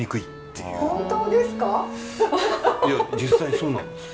いや実際そうなんですよ。